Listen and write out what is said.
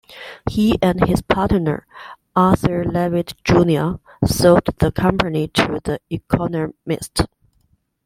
He and his partner, Arthur Levitt Junior sold the company to "The Economist".